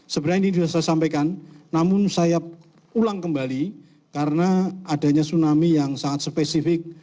sebenarnya ini sudah saya sampaikan namun saya ulang kembali karena adanya tsunami yang sangat spesifik